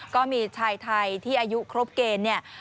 ก็มีชายไทยที่อายุครบเกณฑ์เนี่ย